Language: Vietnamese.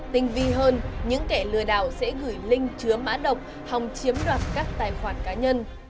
tinh vi hơn những kẻ lừa đảo sẽ gửi link chứa mã độc hòng chiếm đoạt các tài khoản cá nhân